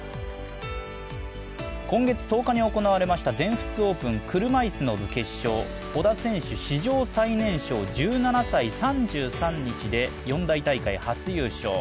今月１０日に行われました全仏オープン・車いすの部決勝、小田選手、史上最年少１７歳３３日で四大大会初優勝。